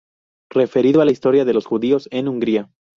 Referido a la historia de los judíos en Hungría.